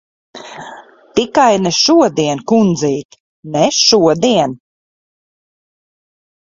Tikai ne šodien, kundzīt. Ne šodien!